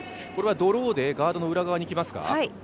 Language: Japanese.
これはドローでガードの裏側にきますか？